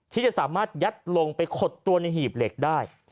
ที่จะสามารถยัดลงไปขดตัวในหีบเหล็กได้